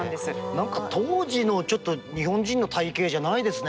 何か当時のちょっと日本人の体形じゃないですね。